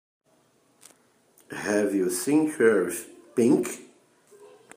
Have you seen Sheriff Pink?